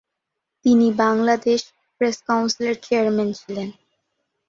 তিনি বাংলাদেশ প্রেস কাউন্সিলের চেয়ারম্যান ছিলেন।